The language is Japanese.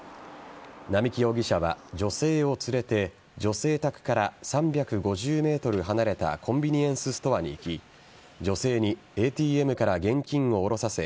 南木容疑者は女性を連れて女性宅から３５０ｍ離れたコンビニエンスストアに行き女性にＡＴＭから現金を下ろさせ